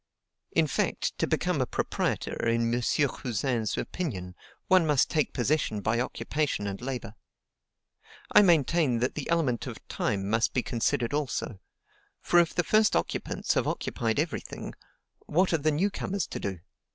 In fact, to become a proprietor, in M. Cousin's opinion, one must take possession by occupation and labor. I maintain that the element of time must be considered also; for if the first occupants have occupied every thing, what are the new comers to do?